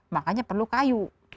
makanya perlu kayu